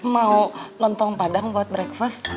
mau lontong padang buat breakfast